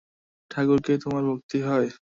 ঠাকুরকে তোমার ভক্তি হয়?